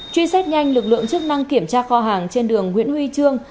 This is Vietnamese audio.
truy xét nhanh lực lượng chức năng kiểm tra kho hàng trên đường nguyễn huy trương